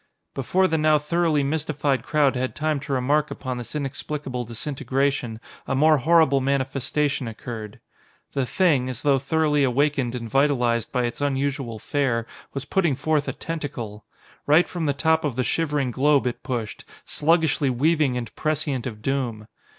Before the now thoroughly mystified crowd had time to remark upon this inexplicable disintegration, a more horrible manifestation occurred. The Thing, as though thoroughly awakened and vitalized by its unusual fare, was putting forth a tentacle. Right from the top of the shivering globe it pushed, sluggishly weaving and prescient of doom.